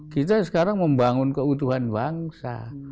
kita sekarang membangun keutuhan bangsa